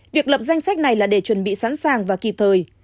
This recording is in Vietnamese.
việc lập danh sách này là để chuẩn bị sẵn sàng và kịp thời